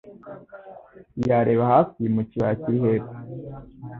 Yareba hasi mu kibaya kiri hepfo.